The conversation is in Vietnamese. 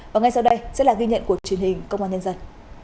và ngay sau đây sẽ là ghi nhận của truyền hình công an nhân dân